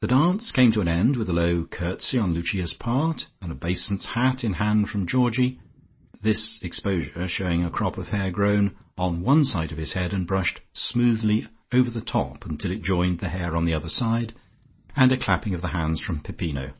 The dance came to an end with a low curtsey on Lucia's part, an obeisance hat in hand from Georgie (this exposure shewing a crop of hair grown on one side of his head and brushed smoothly over the top until it joined the hair on the other side) and a clapping of the hands from Peppino.